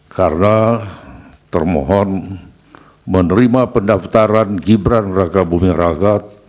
karena termohon menerima pendaftaran gibran raka buming raka